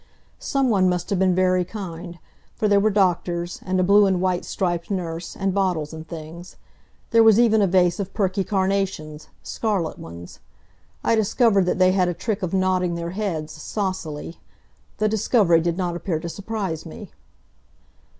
Some one must have been very kind, for there were doctors, and a blue and white striped nurse, and bottles and things. There was even a vase of perky carnations scarlet ones. I discovered that they had a trick of nodding their heads, saucily. The discovery did not appear to surprise me.